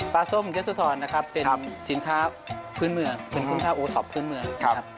ปลาส้มยะโสธรนะครับเป็นสินค้าพื้นเมืองเป็นสินค้าอูท็อปพื้นเมืองครับ